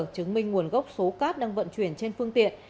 chứng minh nguồn gốc số cát đang vận chuyển trên phương tiện